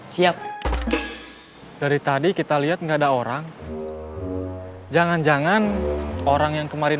siap dari tadi kita lihat enggak ada orang jangan jangan orang yang kemarin